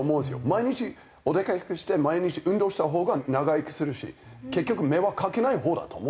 毎日お出かけして毎日運動したほうが長生きするし結局迷惑かけないほうだと思うんですよ。